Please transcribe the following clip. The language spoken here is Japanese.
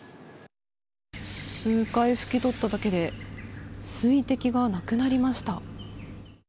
数回拭き取っただけで水滴がなくなりました。